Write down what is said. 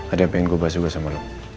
ada yang pengen gue bahas juga sama lo